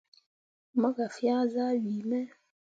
Mo gah fea zah wii me.